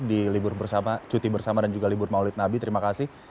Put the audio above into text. di libur bersama cuti bersama dan juga libur maulid nabi terima kasih